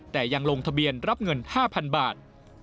แต่ยังลงทะเบียนรับเงิน๕๐๐๐บาท